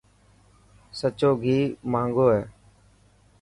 سچو گهي مهانگو هي.